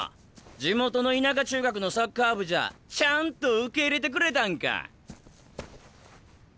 地元の田舎中学のサッカー部じゃちゃんと受け入れてくれたんか。